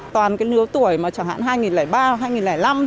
toàn cái nửa tuổi mà chẳng hạn hai nghìn ba hai nghìn năm thôi